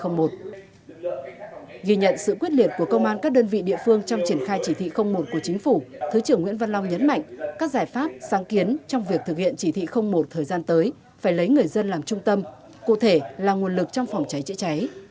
ghi nhận sự quyết liệt của công an các đơn vị địa phương trong triển khai chỉ thị một của chính phủ thứ trưởng nguyễn văn long nhấn mạnh các giải pháp sáng kiến trong việc thực hiện chỉ thị một thời gian tới phải lấy người dân làm trung tâm cụ thể là nguồn lực trong phòng cháy chữa cháy